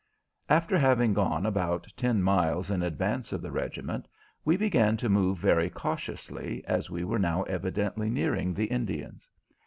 After having gone about ten miles in advance of the regiment, we began to move very cautiously, as we were now evidently nearing the Indians.